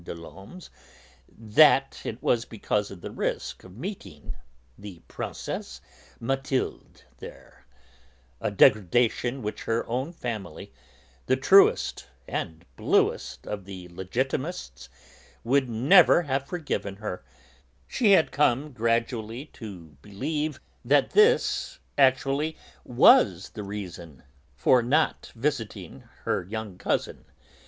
des Laumes's, that it was because of the risk of meeting the Princesse Mathilde there a degradation which her own family, the truest and bluest of Legitimists, would never have forgiven her, she had come gradually to believe that this actually was the reason for her not visiting her young cousin.